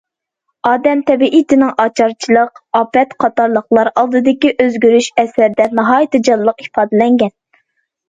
ئادەم تەبىئىتىنىڭ ئاچارچىلىق، ئاپەت قاتارلىقلار ئالدىدىكى ئۆزگىرىشى ئەسەردە ناھايىتى جانلىق ئىپادىلەنگەن.